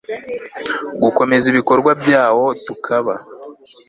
gukomeza ibikorwa byawo tukaba